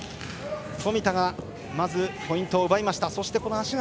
冨田がまずポイントを奪いました。